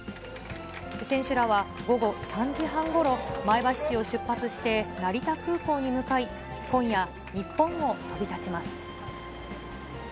選手らは午後３時半ごろ、前橋市を出発して成田空港に向かい、今夜、日本を飛び立ちます。